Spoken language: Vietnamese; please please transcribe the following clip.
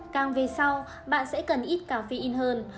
càng về sau bạn sẽ cần ít caffeine hơn